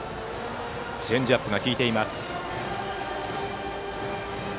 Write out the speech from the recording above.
チェンジアップが効いています。